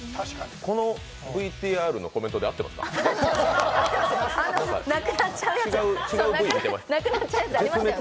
このＶＴＲのコメントで合ってますか？